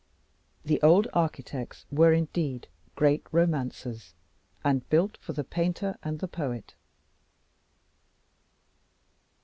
The old architects were indeed great romancers, and built for the painter and the poet.